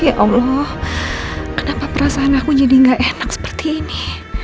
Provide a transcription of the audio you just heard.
ya allah kenapa perasaan aku jadi gak enak seperti ini